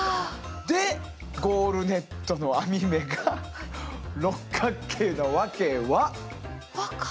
でゴールネットの編目が六角形のワケは？